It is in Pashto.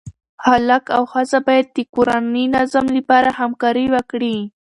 هلک او ښځه باید د کورني نظم لپاره همکاري وکړي.